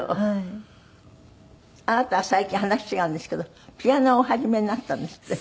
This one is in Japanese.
あなたは最近話違うんですけどピアノをお始めになったんですって？